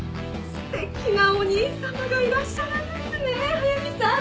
すてきなお兄さまがいらっしゃるんですね速見さん。